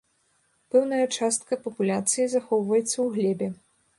Пэўная частка папуляцыі захоўваецца ў глебе.